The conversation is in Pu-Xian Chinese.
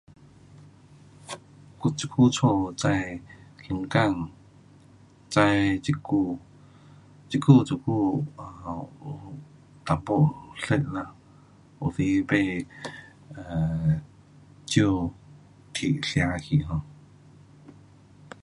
我这久家的种酸柑，种 ciku，ciku 这久有一点酸呐，有时被 um 鸟提吃去 um